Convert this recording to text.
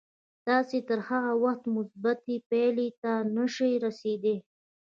تاسې تر هغه وخته مثبتې پايلې ته نه شئ رسېدای.